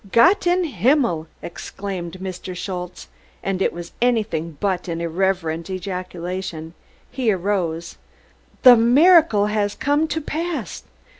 "Gott in Himmel!" exclaimed Mr. Schultze, and it was anything but an irreverent ejaculation. He arose. "Der miracle has come to pass!